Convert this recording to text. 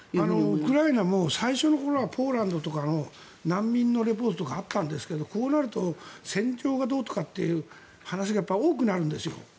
ウクライナも最初の頃はポーランドとかの難民のリポートとかあったんですけどこうなると戦場がどうとかっていう話が多くなるんですよ。